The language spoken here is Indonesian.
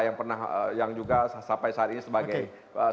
yang juga sampai saat ini sebagainya